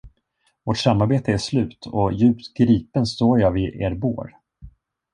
Vårt samarbete är slut och djupt gripen står jag vid er bår.